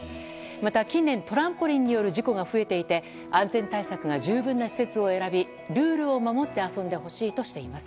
また近年、トランポリンによる事故が増えていて安全対策が十分な施設を選びルールを守って遊んでほしいとしています。